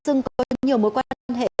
tự xưng có nhiều mối quan hệ